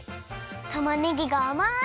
たまねぎがあまい！